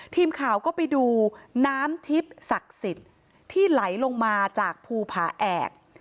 ทีมข่าวก็ไปดูน้ำทิพย์ศักดิ์สิทธิ์ที่ไหลลงมาจากภูผาแอก